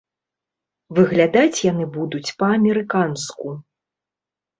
Выглядаць яны будуць па-амерыканску.